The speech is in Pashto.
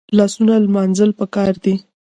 لاسونه لمانځل پکار دي